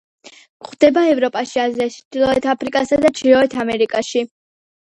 გვხვდება ევროპაში, აზიაში, ჩრდილოეთ აფრიკასა და ჩრდილოეთ ამერიკაში.